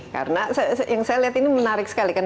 karena yang saya lihat ini menarik sekali kan